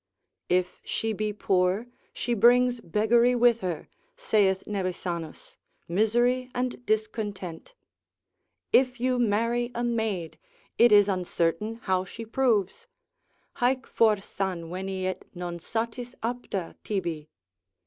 If she be poor, she brings beggary with her (saith Nevisanus), misery and discontent. If you marry a maid, it is uncertain how she proves, Haec forsan veniet non satis apta tibi.